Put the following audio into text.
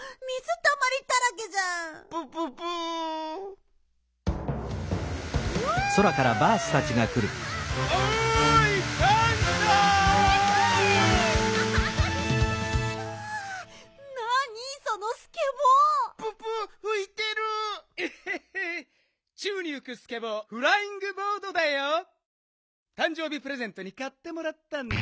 たんじょう日プレゼントにかってもらったんだ。